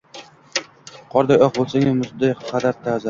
Qorday oq bo’lsang-u, muz qadar toza